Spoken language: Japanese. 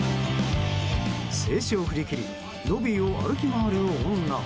制止を振り切りロビーを歩き回る女。